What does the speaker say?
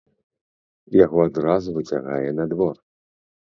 Яго адразу выцягае на двор.